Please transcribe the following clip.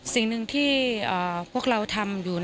สิ่งหนึ่งที่พวกเราทำอยู่